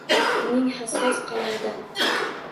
Uning hassos qalamidan